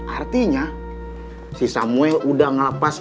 artinya si samuel udah ngelepas